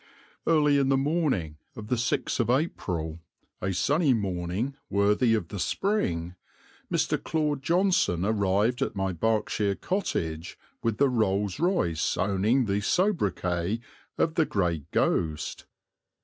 Early in the morning of 6 April, a sunny morning worthy of the spring, Mr. Claude Johnson arrived at my Berkshire cottage with the Rolls Royce owning the sobriquet of the Grey Ghost.